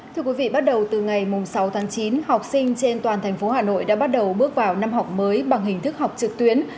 thưa quý vị bắt đầu từ ngày sáu tháng chín học sinh trên toàn thành phố hà nội đã bắt đầu bước vào năm học mới bằng hình thức học trực tuyến